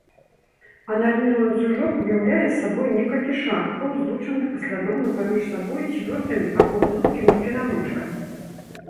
Анальны ланцужок уяўляе сабой некалькі шарыкаў, злучаных паслядоўна паміж сабой цвёрдымі або гнуткімі перамычкамі.